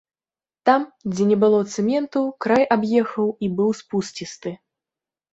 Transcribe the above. Там, дзе не было цэменту, край аб'ехаў і быў спусцісты.